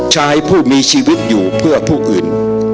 ชายผู้มีชีวิตอยู่เพื่อผู้อื่น